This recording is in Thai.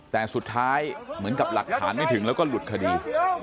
แต่สุดท้ายเหมือนกับหลักฐานไม่ถึงแล้วก็หลุดคดี